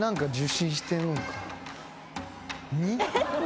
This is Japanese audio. ２？